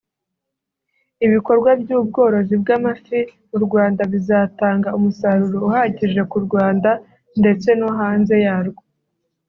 Ibikorwa by’ubworozi bw’amafi mu Rwanda bizatanga umusaruro uhagije ku Rwanda ndetse no hanze yarwo